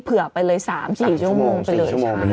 เผื่อไปเลย๓๔ชั่วโมงไปเลย